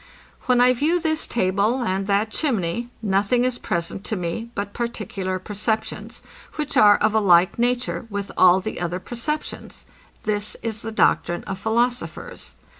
When I view this table and that chimney, nothing is present to me but particular perceptions, which are of a like nature with all the other perceptions. This is the doctrine of philosophers.